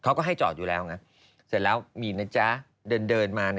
เขาก็ให้จอดอยู่แล้วไงเสร็จแล้วมีนะจ๊ะเดินเดินมา